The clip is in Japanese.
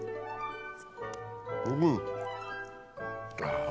うん。